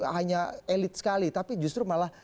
hanya elit sekali tapi justru malah